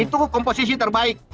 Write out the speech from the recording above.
itu komposisi terbaik